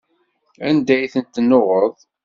Anda ay ten-tennuɣeḍ?